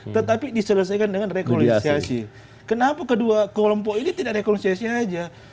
tetapi diselesaikan dengan rekonsiliasi kenapa kedua kelompok ini tidak rekonsiliasi aja